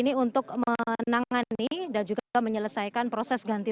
ini untuk menangani dan juga menyelesaikan proses ganti ini untuk menangani dan juga menyelesaikan proses ganti